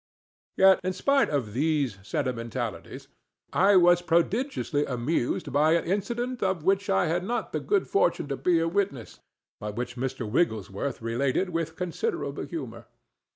Yet, in spite of these sentimentalities, I was prodigiously amused by an incident of which I had not the good fortune to be a witness, but which Mr. Wigglesworth related with considerable humor.